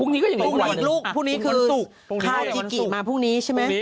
พรุ่งนี้ก็อย่างนี้วันอีกลูกพรุ่งนี้คือค่าติกิมาพรุ่งนี้ใช่ไหม